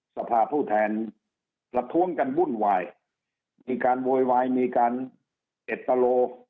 สภาผู้แทนประท้วงกันวุ่นวายมีการโวยวายมีการเอ็ดตะโล